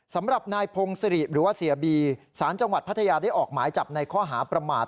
สำหรับนายพงศิริหรือว่าเสียบีสารจังหวัดพัทยาได้ออกหมายจับในข้อหาประมาท